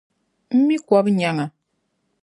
M mi kɔbu nyaŋ a.